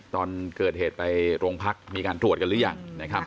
ตอนเกิดเหตุไปโรงพักมีการตรวจกันหรือยังนะครับ